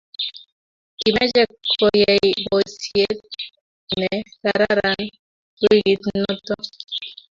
kimeche keyei boisiet ne kararan wikit noto